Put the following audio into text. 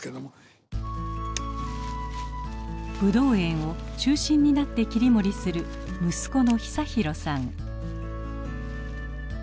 ブドウ園を中心になって切り盛りする息子の久博さん。